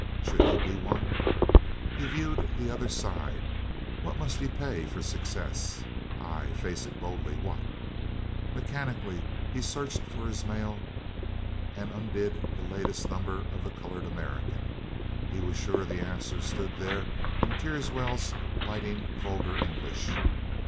Should he be one? He viewed the other side. What must he pay for success? Aye, face it boldly what? Mechanically he searched for his mail and undid the latest number of the Colored American. He was sure the answer stood there in Teerswell's biting vulgar English.